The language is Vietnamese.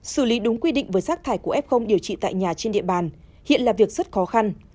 xử lý đúng quy định với rác thải của f điều trị tại nhà trên địa bàn hiện là việc rất khó khăn